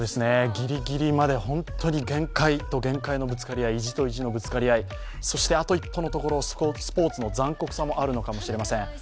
ギリギリまで本当に限界と限界のぶつかり合い意地と意地のぶつかり合い、そしてあと一歩のところスポーツの残酷さもあるのかもしれません。